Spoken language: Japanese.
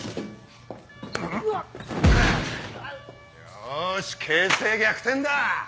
よし形勢逆転だ！